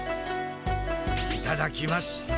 いただきます。